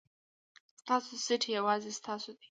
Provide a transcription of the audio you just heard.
ستاسو سېټ یوازې ستاسو دی.